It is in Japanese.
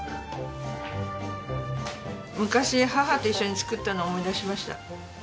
昔母と一緒に作ったのを思い出しました。